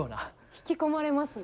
引き込まれますね。